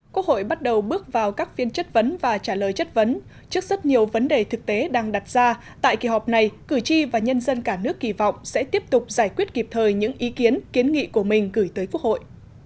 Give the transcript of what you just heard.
quốc hội bắt đầu bước vào các phiên chất vấn và trả lời chất vấn trước rất nhiều vấn đề thực tế đang đặt ra tại kỳ họp này cử tri và nhân dân cả nước kỳ vọng sẽ tiếp tục giải quyết kịp thời những ý kiến kiến nghị của mình gửi tới quốc hội